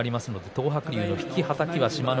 東白龍の引き、はたきは志摩ノ